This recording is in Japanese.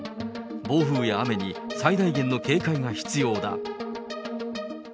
暴風や雨に最大限の警戒が必要だ。